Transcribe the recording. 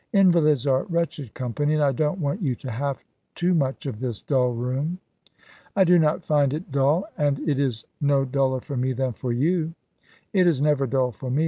"Invalids are wretched company, and I don't want you to have too much of this dull room." "I do not find it dull and it is no duller for me than for you." "It is never dull for me.